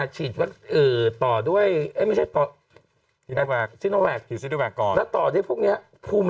ฉีดเอ่อต่อด้วยเอ้ยไม่ใช่ต่อแล้วต่อด้วยพวกเนี้ยภูมิ